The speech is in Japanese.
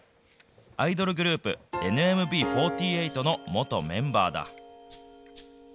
アイドルグループ、ＮＭＢ４８の元メンバーだ。